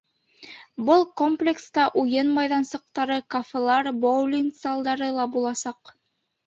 Был комплекста уйын майҙансыҡтары, кафелар, боулинг залдары ла буласаҡ.